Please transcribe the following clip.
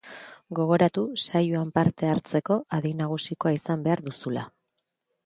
Gogoratu saioan parte hartzeko adin nagusikoa izan behar duzula.